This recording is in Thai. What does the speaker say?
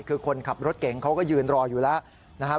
คือคนขับรถเก่งเขาก็ยืนรออยู่แล้วนะครับ